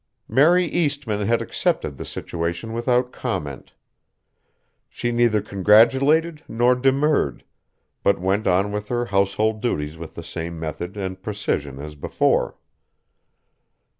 Mary Eastmann had accepted the situation without comment. She neither congratulated nor demurred, but went on with her household duties with the same method and precision as before.